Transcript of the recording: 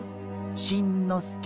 しんのすけ。